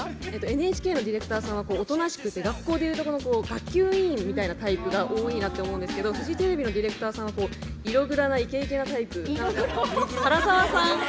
ＮＨＫのディレクターさんはおとなしくて学校でいうところの学級委員みたいなタイプが多いなと思うんですけどフジテレビのディレクターさんは色黒なイケイケなタイプ。